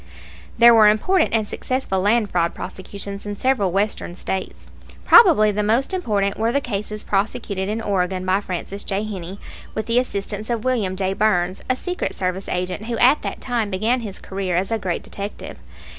There were important and successful land fraud prosecutions in several Western States. Probably the most important were the cases prosecuted in Oregon by Francis J. Heney, with the assistance of William J. Burns, a secret service agent who at that time began his career as a great detective.